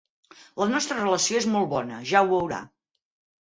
La nostra relació és molt bona, ja ho veurà.